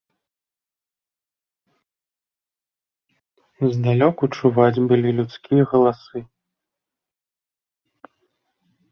Здалёку чуваць былі людскія галасы.